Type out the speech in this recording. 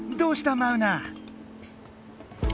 マウナ。